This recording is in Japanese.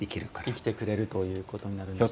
生きてくれるということになるんですね。